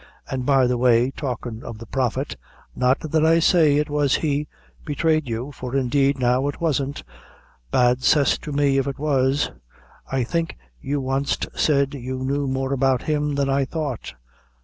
An', by the way, talkin' of the Prophet not that I say it was he betrayed you for indeed now it wasn't bad cess to me if it was I think you wanst said you knew more about him than I thought."